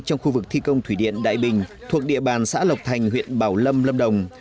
trong khu vực thi công thủy điện đại bình thuộc địa bàn xã lộc thành huyện bảo lâm lâm đồng